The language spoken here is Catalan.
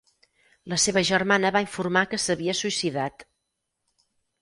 La seva germana va informar que s'havia suïcidat.